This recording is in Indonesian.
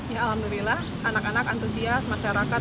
ya alhamdulillah anak anak antusias masyarakat